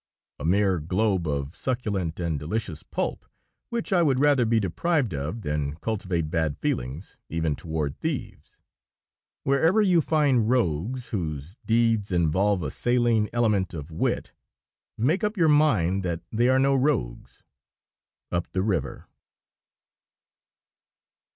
A mere globe of succulent and delicious pulp, which I would rather be deprived of than cultivate bad feelings, even toward thieves. Wherever you find rogues whose deeds involve a saline element of wit, make up your mind that they are no rogues. _Up the River.